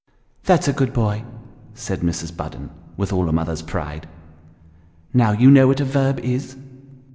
" That's a good boy," said Mrs. Budden, with all a mother's pride. " Now, you know what a verb is